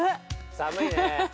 ◆寒いね。